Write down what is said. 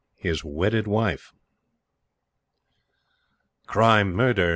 HIS WEDDED WIFE. Cry "Murder!"